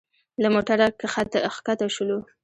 له موټره ښکته شولو.